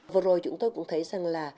vừa rồi chúng tôi cũng thấy rằng